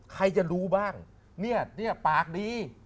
ใครจะรู้บ้างปากดี